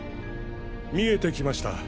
見えてきました。